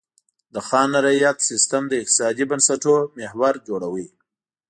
د خان رعیت سیستم د اقتصادي بنسټونو محور جوړاوه.